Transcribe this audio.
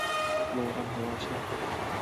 মেয়েরা ভালো আছে?